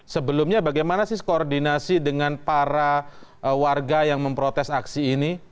sebelumnya bagaimana sih koordinasi dengan para warga yang memprotes aksi ini